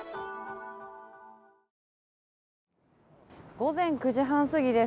午前９時半すぎです。